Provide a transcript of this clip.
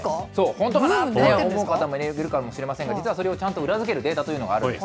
本当かなと思う方もいるかもしれませんが、実はそれをちゃんと裏付けるデータというのがあるんです。